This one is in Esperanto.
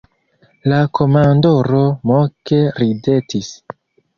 La komandoro moke ridetis.